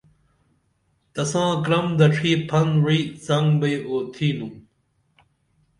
تساں کرم دڇھی پھن وعی څنگ بئی اٰتِھنُم